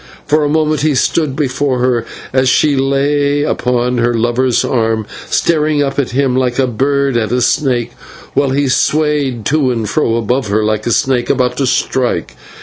For a moment he stood before her as she lay upon her lover's arm staring up at him like a bird at a snake, while he swayed to and fro above her like the snake about to strike.